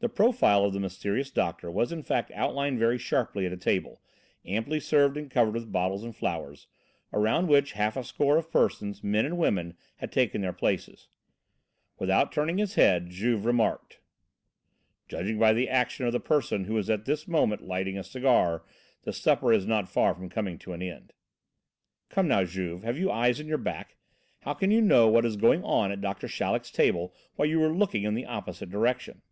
The profile of the mysterious doctor was in fact outlined very sharply at a table, amply served and covered with bottles and flowers, around which half a score of persons, men and women, had taken their places. Without turning his head, Juve remarked: "Judging by the action of the person who is at this moment lighting a cigar the supper is not far from coming to an end." "Come, now, Juve, have you eyes in your back? How can you know what is going on at Doctor Chaleck's table, while you are looking in the opposite direction?"